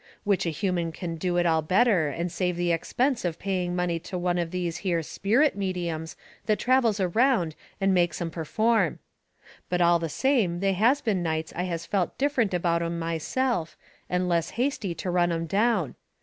Which a human can do it all better and save the expense of paying money to one of these here sperrit mediums that travels around and makes 'em perform. But all the same they has been nights I has felt different about 'em myself, and less hasty to run 'em down.